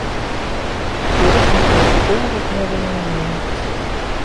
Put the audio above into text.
Ur asent-reqquɣ i timuḍinin-nwent.